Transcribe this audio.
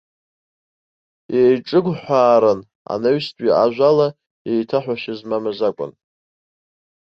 Еиҿыгәҳәааран, анаҩстәи ажәала еиҭаҳәашьа змамыз акәын.